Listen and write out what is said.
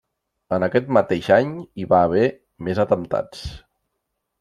En aquest mateix any hi va haver més atemptats.